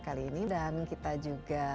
kali ini dan kita juga